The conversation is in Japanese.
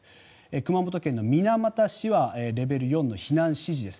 熊本県の水俣市はレベル４の避難指示です。